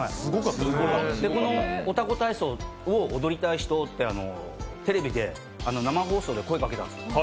このおタコ体操を踊りたい人ってテレビで生放送で声をかけたんです。